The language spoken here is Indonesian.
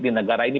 di negara ini